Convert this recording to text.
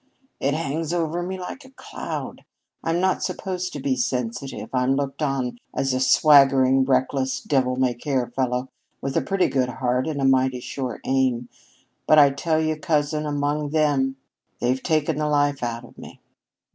It hangs over me like a cloud! I'm not supposed to be sensitive. I'm looked on as a swaggering, reckless, devil may care fellow with a pretty good heart and a mighty sure aim; but I tell you, cousin, among them, they've taken the life out of me."